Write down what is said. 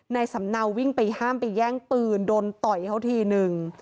สำเนาวิ่งไปห้ามไปแย่งปืนโดนต่อยเขาทีนึง